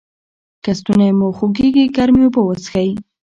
که ستونی مو خوږیږي ګرمې اوبه وڅښئ.